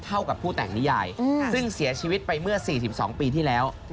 เท่ากับผู้แต่งนิยายซึ่งเสียชีวิตไปเมื่อ๔๒ปีที่แล้ว